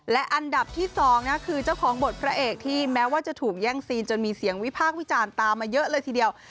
และอันดับที่๒คือเจ้าของบทพระเอกที่แม้ว่าจะถูกแย่งซีนจนมีเสียงวิพากษ์วิจารณ์ตามมาเยอะเลยทีเดียว